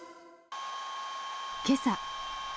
けさ。